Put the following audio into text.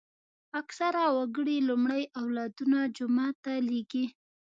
اکثره وګړي لومړی اولادونه جومات ته لېږي.